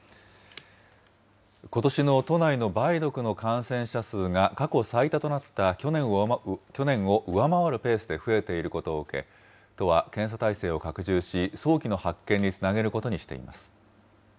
ことしの都内の梅毒の感染者数が、過去最多となった去年を上回るペースで増えていることを受け、都は検査態勢を拡充し、早期の発見につなげることにしています。